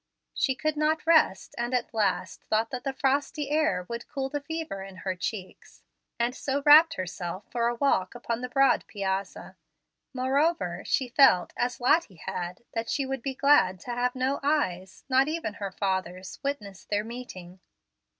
She could not rest, and at last thought that the frosty air would cool the fever in her cheeks, and so wrapped herself for a walk upon the broad \ piazza. Moreover, she felt, as Lottie had, that she would be glad to have no eyes, not even her father's, witness their meeting.